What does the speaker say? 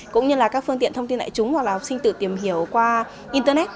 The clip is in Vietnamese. cũng như là các phương tiện thông tin đại chúng hoặc là học sinh tự tìm hiểu qua internet